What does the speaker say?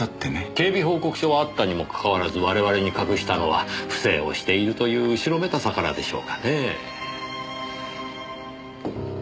警備報告書はあったにも関わらず我々に隠したのは不正をしているという後ろめたさからでしょうかねぇ。